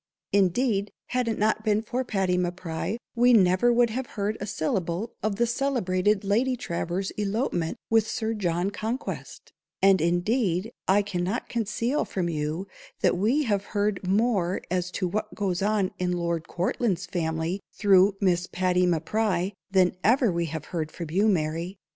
Indeed, had it not been for Patty M'Pry, we never would have heard a syllable of the celebrated _Lady _Travers's elopement with Sir John Conquest; and, indeed, I cannot conceal from you, that we have heard more as to what goes on in Lord Courtland's family through Miss Patty M'Pry, than ever we have heard from you, _Mary.